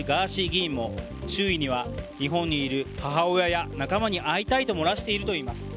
議員も周囲には、日本にいる母親や仲間に会いたいと漏らしているといいます。